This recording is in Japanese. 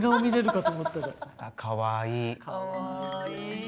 かわいい。